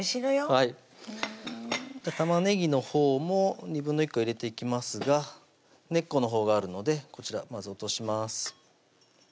はい玉ねぎのほうも２分の１個入れていきますが根っこのほうがあるのでこちらまず落とします